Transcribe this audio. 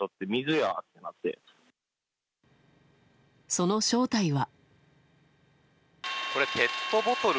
その正体は。